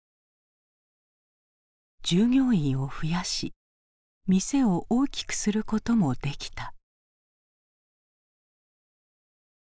従業員を増やし店を大きくすることもできた。